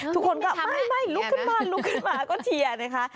ทุกคนก็ไม่ลุกขึ้นมาก็เชียร์นะคะ